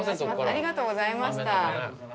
ありがとうございます。